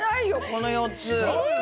この４つ。